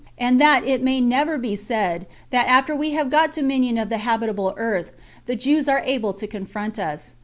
and that it may never be said, that after we have got dominion of the habitable earth, the Jews are able to confront us.